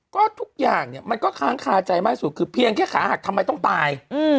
ก็ทุกอย่างเนี่ยมันก็ค้างคาใจมากสุดคือเพียงแค่ขาหักทำไมต้องตาย